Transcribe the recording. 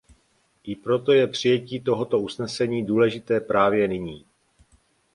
I proto je přijetí tohoto usnesení důležité právě nyní.